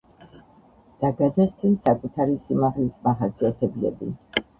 და გადასცენ საკუთარი სიმაღლის მახასიათებლები.